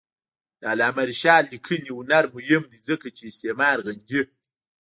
د علامه رشاد لیکنی هنر مهم دی ځکه چې استعمار غندي.